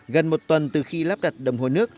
gần một tuần từ khi lắp đặt đồng hồ nước